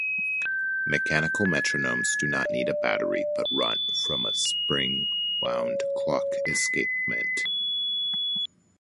Mechanical metronomes don't need a battery, but run from a spring-wound clock escapement.